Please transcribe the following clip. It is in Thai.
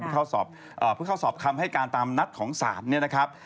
เพื่อเข้าสอบคำให้การตามนัดของศาลเนี่ยนะครับ